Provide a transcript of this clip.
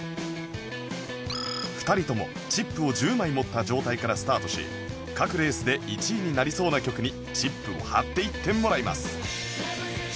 ２人ともチップを１０枚持った状態からスタートし各レースで１位になりそうな曲にチップを張っていってもらいます